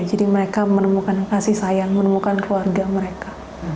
jadi mereka menemukan kasih sayang menemukan keluarga mereka